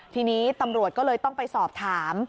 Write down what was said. ทีนี้ตำรวจก็เลยต้องไปสอบถาม